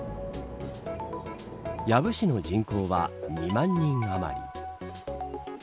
養父市の人口は２万人余り。